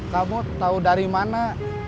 kamu tahu dari mana